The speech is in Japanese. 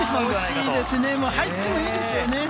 惜しいですね、もう入ってもいいですよ。